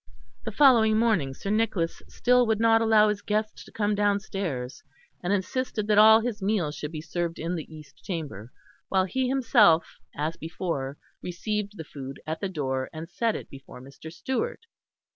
The following morning Sir Nicholas still would not allow his guest to come downstairs, and insisted that all his meals should be served in the East Chamber, while he himself, as before, received the food at the door and set it before Mr. Stewart.